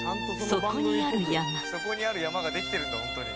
「“そこにある山”ができてるんだ本当に」